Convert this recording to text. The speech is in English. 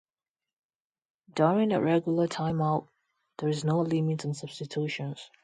During a regular timeout, there is no limit on substitutions.